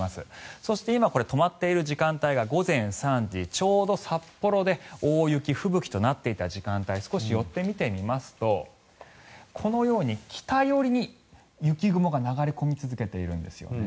そして、今、これ止まっている時間帯が午前３時ちょうど札幌で大雪、吹雪となっていた時間帯少し寄って見てみますとこのように北寄りに雪雲が流れ込み続けているんです。